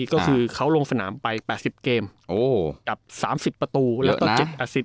ก็คือเขาลงสนามไป๘๐เกมกับ๓๐ประตูแล้วก็๗๘๐